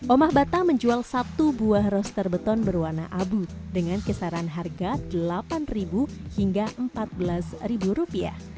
omah bata menjual satu buah roster beton berwarna abu dengan kisaran harga rp delapan hingga rp empat belas